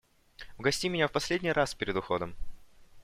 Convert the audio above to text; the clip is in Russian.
Угости меня в последний раз перед уходом.